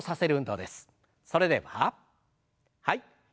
それでははい。